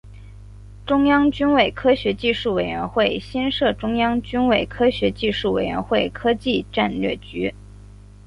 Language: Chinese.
中央军委科学技术委员会新设中央军委科学技术委员会科技战略局。